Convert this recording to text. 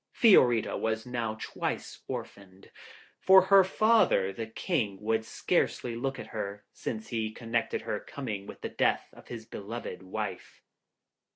Fiorita was now twice orphaned, for her father, the King, would scarcely look at her, since he connected her coming with the death of his beloved wife.